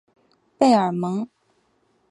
贝尔蒙。